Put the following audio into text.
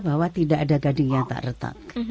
bahwa tidak ada gading yang tak retak